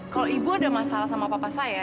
kalau ibu ada masalah sama papa saya